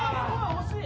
惜しい。